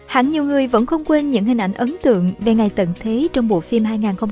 hẳn nhiều người vẫn không quên những hình ảnh ấn tượng về ngày tận thế trong bộ phim hai nghìn hai mươi ba